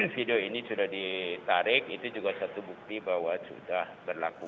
video ini sudah ditarik itu juga satu bukti bahwa sudah berlaku